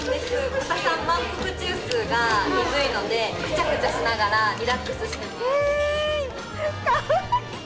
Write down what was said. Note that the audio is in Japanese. ブタさん、満腹中枢が鈍いので、くちゃくちゃしながら、リラックスしてます。